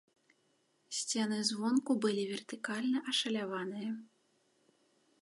Сцены звонку былі вертыкальна ашаляваныя.